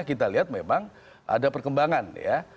kita lihat memang ada perkembangan ya